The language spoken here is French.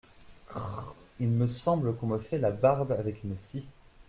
Crrrr … il me semble qu'on me fait la barbe avec une scie !